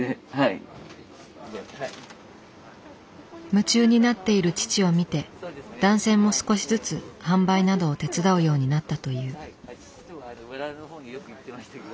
夢中になっている父を見て男性も少しずつ販売などを手伝うようになったという。